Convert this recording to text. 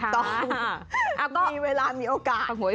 ต้องมีเวลามีโอกาส